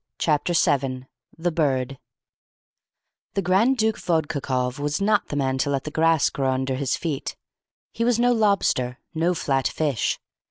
Chapter 7 THE BIRD The Grand Duke Vodkakoff was not the man to let the grass grow under his feet. He was no lobster, no flat fish.